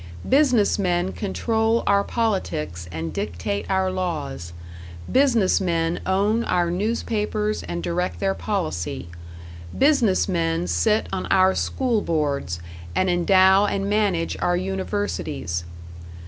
Business men control our politics and dictate our laws; business men own our newspapers and direct their policy; business men sit on our school boards, and endow and manage our universities.